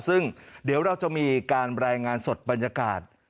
ซึ่งเดี๋ยวเราจะมีการรายงานสดบรรยากาศ